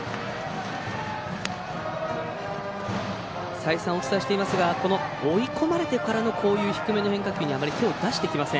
再三お伝えしていますが追い込まれてからの低めの変化球にあまり手を出してきません。